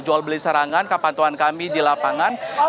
jual beli serangan kepantauan kami di lapangan